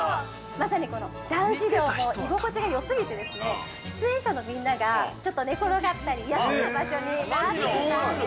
◆まさに、この男子寮も居心地がよすぎてですね、出演者のみんなが、ちょっと寝転がったり休む場所になっていたんです。